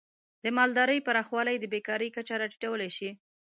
د مالدارۍ پراخوالی د بیکاری کچه راټیټولی شي.